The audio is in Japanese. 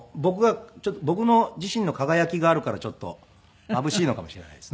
僕自身の輝きがあるからちょっとまぶしいのかもしれないですね。